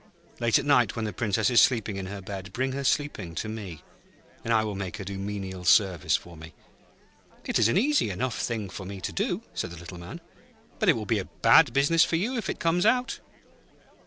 'Late at night, when the Princess is asleep in her bed, bring her, sleeping, to me, and I will make her do menial service for me.' 'It is an easy enough thing for me to do,' said the Little Man. 'But it will be a bad business for you if it comes out.'